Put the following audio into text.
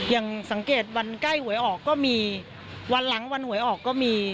อย่างสังเกตวันใกล้หวยออกก็มีวันหลังวันหวยออกก็มี